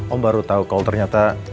om baru tahu kalau ternyata